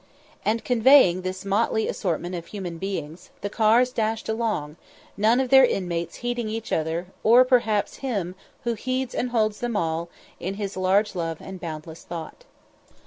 And conveying this motley assortment of human beings, the cars dashed along, none of their inmates heeding each other, or perhaps Him " who heeds and holds them all In his large love and boundless thought."